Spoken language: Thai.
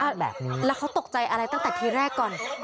แล้วเขาตกใจอะไรตั้งแต่ทีแรกก่อน